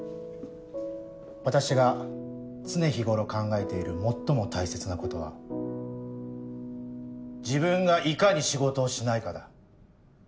私が常日頃考えている最も大切なことは自分がいかに仕事をしないかだ。